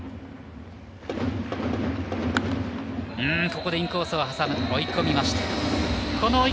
ここでインコースを挟む追い込みました。